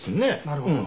なるほど。